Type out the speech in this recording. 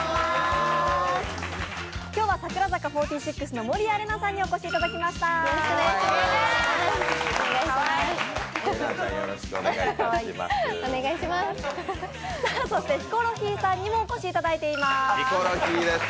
今日は櫻坂４６の守屋麗奈さんにお越しいただきました。